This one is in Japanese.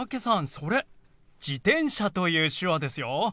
それ「自転車」という手話ですよ。